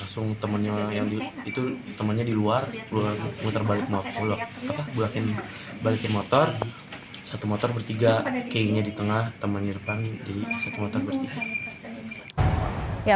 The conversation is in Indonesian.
satu motor bertiga keingnya di tengah teman nirpang di satu motor bertiga